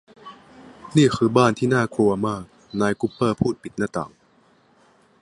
นี่คือบ้านที่น่ากลัวมากนายกุปเปอร์พูดปิดหน้าต่าง